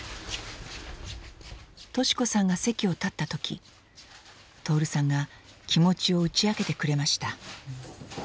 敏子さんが席を立った時徹さんが気持ちを打ち明けてくれました。